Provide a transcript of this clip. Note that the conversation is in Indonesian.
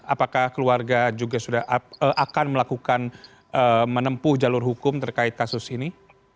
apakah keluarga juga sudah akan melakukan menempuh jalur hukum terkait kasus ini